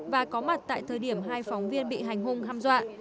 và có mặt tại thời điểm hai phóng viên bị hành hung hăm dọa